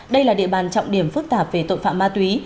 đây là địa bàn trọng điểm phức tạp về tội phạm ma túy